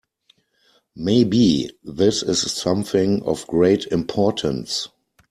Maybe this is something of great importance.